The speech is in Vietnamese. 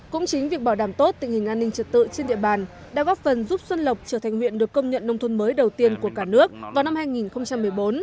cũng chính việc bảo đảm tốt tình hình an ninh trật tự trên địa bàn đã góp phần giúp xuân lộc trở thành huyện được công nhận nông thôn mới đầu tiên của cả nước vào năm hai nghìn một mươi bốn